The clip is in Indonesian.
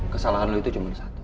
kesalahan lo itu cuma satu